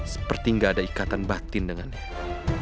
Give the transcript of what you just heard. seperti gak ada ikatan batin denganku